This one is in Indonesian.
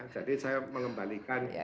jadi saya mengembalikan